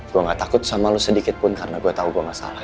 gue gak takut sama lu sedikit pun karena gue tahu gue gak salah